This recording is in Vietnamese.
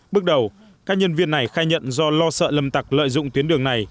bước đầu các nhân viên này khai nhận do lo sợ lâm tặc lợi dụng tuyến đường này